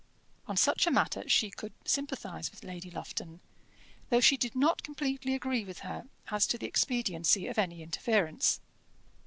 On such a matter she could sympathize with Lady Lufton, though she did not completely agree with her as to the expediency of any interference.